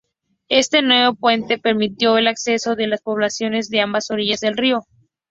Este nuevo puente permitió el acceso de las poblaciones de ambas orillas del río.